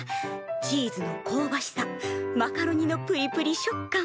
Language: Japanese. チーズのこうばしさマカロニのぷりぷり食感。